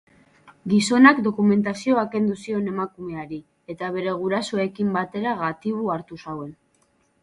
Gizonak dokumentazioa kendu zion emakumeari, eta bere gurasoekin batera gatibu hartu zuen.